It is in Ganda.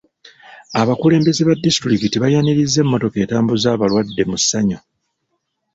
Abakulembeze ba disitulikiti baayanirizza emmotoka etambuza abalwadde mu ssanyu.